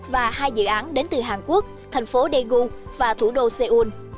và hai dự án đến từ hàn quốc thành phố daegu và thủ đô seoul